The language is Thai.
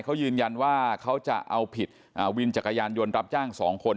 เขายืนยันว่าเขาจะเอาผิดวินจักรยานยนต์รับจ้างสองคน